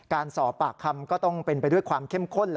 การสอบปากคำก็ต้องเป็นไปด้วยความเข้มข้น